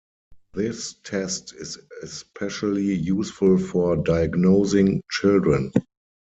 This test is especially useful for diagnosing children.